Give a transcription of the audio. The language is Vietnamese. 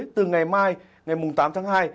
từ ngày mai ngày tám tháng hai